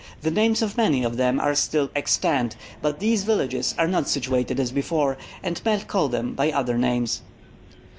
The names of many of them are still extant; but these villages are not situated as before, and men call them by other names.